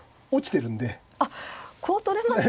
あっこう取れますね。